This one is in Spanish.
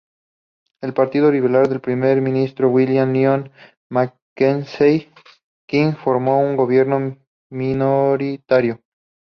El Partido Liberal del Primer Ministro William Lyon Mackenzie King formó un gobierno minoritario.